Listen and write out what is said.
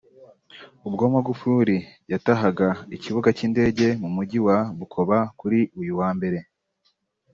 ubwo Magufuli yatahaga ikibuga cy’indege mu Mujyi wa Bukoba kuri uyu wa Mbere